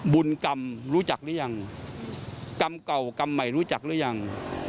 บุญกรรมรู้จักหรือยังกรรมเก่ากรรมใหม่รู้จักหรือยัง